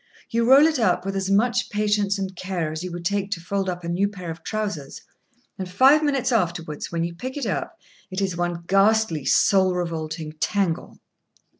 You roll it up with as much patience and care as you would take to fold up a new pair of trousers, and five minutes afterwards, when you pick it up, it is one ghastly, soul revolting tangle.